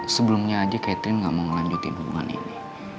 sebelumnya aja catherine gak mau ngelanjutin hubungan ini